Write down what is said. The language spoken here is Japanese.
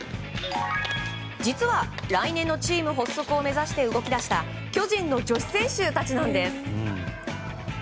実は来年のチーム発足を目指して動き出した巨人の女子選手たちなんです。